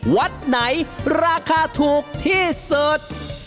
วัดไหนราคาถูกที่สุด